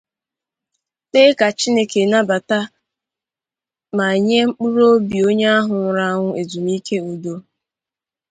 kpee ka Chineke nabata ma nye mkpụrụ obi onye ahụ nwụrụ anwụ ezumike udo.